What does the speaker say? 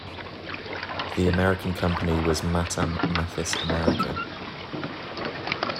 The American company was Matam, Mathis-America.